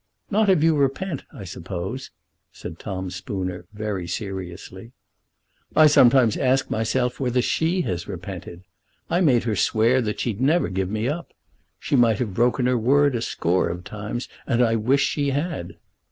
"Not if you repent, I suppose," said Tom Spooner, very seriously. "I sometimes ask myself whether she has repented. I made her swear that she'd never give me up. She might have broken her word a score of times, and I wish she had."